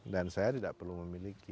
dan saya tidak perlu memiliki